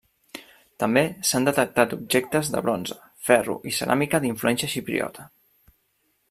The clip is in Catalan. També s'han detectat objectes de bronze, ferro i ceràmica d'influència xipriota.